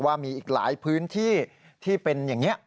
ว่ามีอีกหลายพื้นที่ที่เป็นอย่างนี้